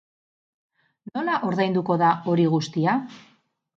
Nola ordainduko da hori guztia?